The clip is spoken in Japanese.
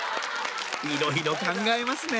いろいろ考えますね！